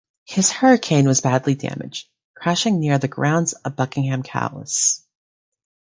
His Hurricane was badly damaged, crashing near the grounds of Buckingham Palace.